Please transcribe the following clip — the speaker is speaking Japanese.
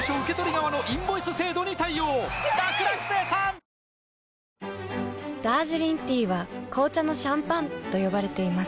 ニトリダージリンティーは紅茶のシャンパンと呼ばれています。